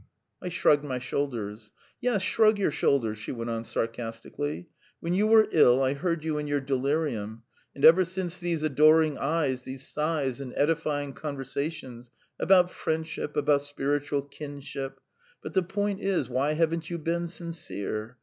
I shrugged my shoulders. "Yes, shrug your shoulders!" she went on sarcastically. "When you were ill I heard you in your delirium, and ever since these adoring eyes, these sighs, and edifying conversations about friendship, about spiritual kinship. ... But the point is, why haven't you been sincere?